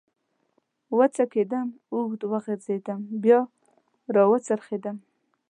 و څکېدم، اوږد وغځېدم، بیا را و څرخېدم.